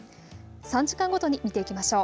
３時間ごとに見ていきましょう。